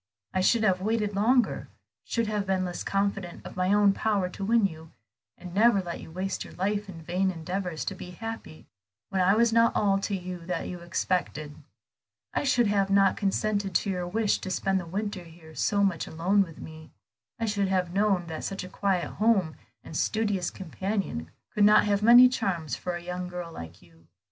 I should have waited longer, should have been less confident of my own power to win you, and never let you waste your life in vain endeavors to be happy when I was not all to you that you expected. I should not have consented to your wish to spend the winter here so much alone with me. I should have known that such a quiet home and studious companion could not have many charms for a young girl like you.